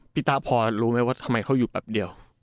ตาพอรู้ไหมว่าทำไมเขาอยู่แป๊บเดียว